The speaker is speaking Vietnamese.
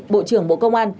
bộ trưởng bộ công an